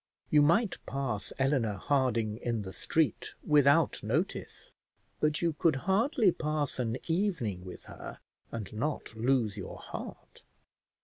You might pass Eleanor Harding in the street without notice, but you could hardly pass an evening with her and not lose your heart.